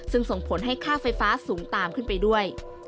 ซึ่งส่งผลให้ค่าไฟฟ้าสูงตามขึ้นไปด้วย